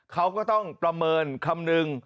เขาก็ต้องประเมินคำนึง